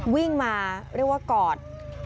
วิ่งมาเรียกว่ากอด